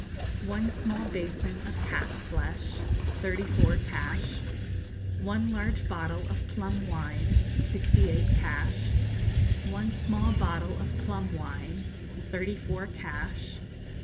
One small basin of cat's flesh thirty four cash. One large bottle of plum wine sixty eight cash. One small bottle of plum wine thirty four cash.